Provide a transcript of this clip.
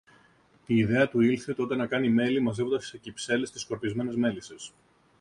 Η ιδέα του ήλθε τότε να κάνει μέλι, μαζεύοντας σε κυψέλες τις σκορπισμένες μέλισσες.